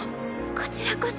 こちらこそ。